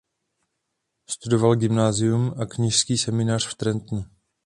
Studoval gymnázium a kněžský seminář v Trentu.